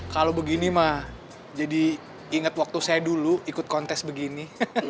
kalau begini mah jadi ingat waktu saya dulu ikut kontes begini